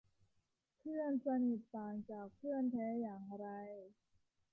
เพื่อนสนิทต่างจากเพื่อนแท้อย่างไร